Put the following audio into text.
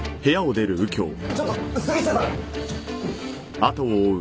ちょちょっと杉下さん！？